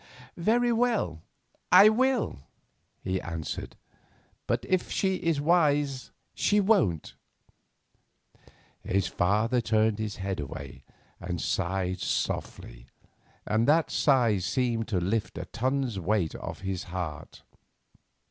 "Very well, I will," he answered; "but if she is wise, she won't." His father turned his head away and sighed softly, and that sigh seemed to lift a ton's weight off his heart.